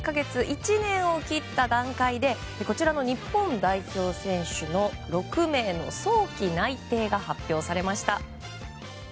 １年を切った段階でこちらの日本代表選手の６名の早期内定が発表されました。